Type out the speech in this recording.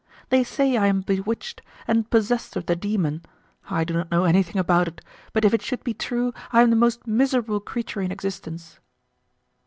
They say I am bewitched, and possessed of the demon; I do not know anything about it, but if it should be true I am the most miserable creature in existence."